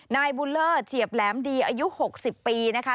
นายบุญเลิศเฉียบแหลมดีอายุ๖๐ปีนะคะ